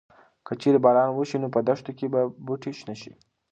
که چېرې باران وشي نو په دښته کې به بوټي شنه شي.